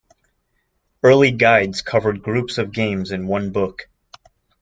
Early guides covered groups of games in one book.